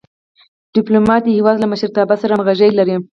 ډيپلومات د هېواد له مشرتابه سره همږغي لري.